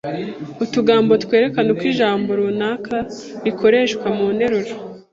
utujambo twerekana uko ijambo runaka rikoreshwa mu nteruro